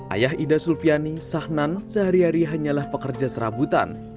ayah ida sulfiani sahnan sehari hari hanyalah pekerja serabutan